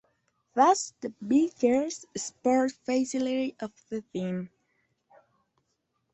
That's the biggest sport facility of the team.